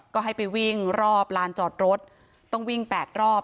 ก็ให้ไปวิ่งรอบลานจอดรถต้องวิ่ง๘รอบ